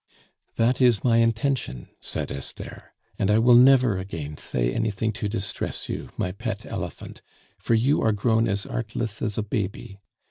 "That is my intention," said Esther. "And I will never again say anything to distress you, my pet elephant, for you are grown as artless as a baby.